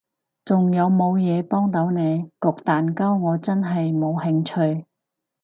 仲有無嘢幫到你？焗蛋糕我就真係冇興趣